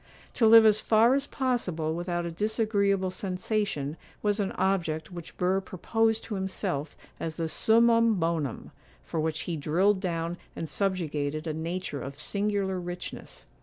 To live as far as possible without a disagreeable sensation was an object which Burr proposed to himself as the summum bonum, for which he drilled down and subjugated a nature of singular richness.